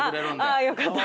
ああよかった。